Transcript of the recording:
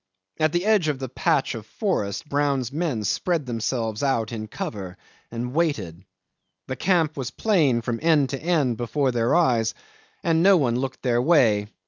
At the edge of the patch of forest Brown's men spread themselves out in cover and waited. The camp was plain from end to end before their eyes, and no one looked their way.